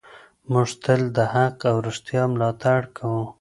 موږ تل د حق او رښتیا ملاتړ کوو.